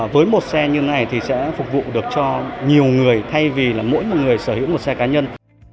với một xe như thế này thì sẽ phục vụ được cho nhiều người thay vì là mỗi một người sở hữu một xe cá nhân